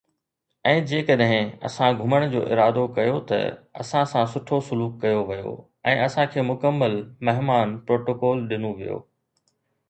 ۽ جيڪڏهن اسان گهمڻ جو ارادو ڪيو ته اسان سان سٺو سلوڪ ڪيو ويو ۽ اسان کي مڪمل مهمان پروٽوڪول ڏنو ويو